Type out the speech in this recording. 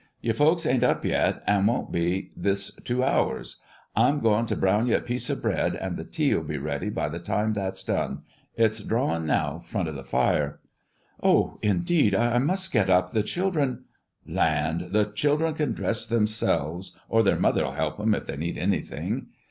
Your folks ain't up yet, and won't be this two hours. I'm goin' to brown ye a piece of bread, and the tea'll be ready by the time that's done: it's drawin' now, front of the fire." "Oh, indeed I must get up. The children" "Land, the children can dress themselves, or their mother'll help 'em if they need anything.